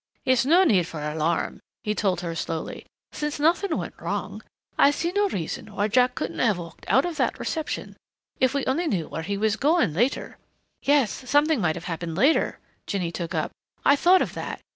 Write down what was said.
"It's no need for alarm," he told her slowly, "since nothing went wrong. I see no reason why Jack couldn't have walked out of that reception. If we only knew where he was going later " "Yes, something might have happened later," Jinny took up. "I thought of that.